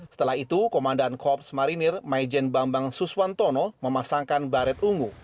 setelah itu komandan korps marinir maijen bambang suswantono memasangkan baret ungu